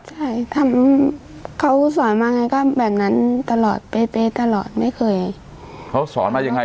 ใช่ทำเขาสอนมาไงก็แบบนั้นตลอดเป๊ะตลอดไม่เคยเขาสอนมายังไง